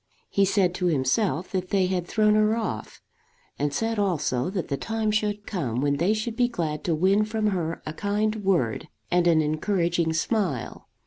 He said to himself that they had thrown her off; and said also that the time should come when they should be glad to win from her a kind word and an encouraging smile.